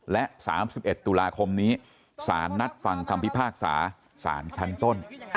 และ๓๑ตุลาคมนี้สารนัดฟังคำพิพากษาสารชั้นต้น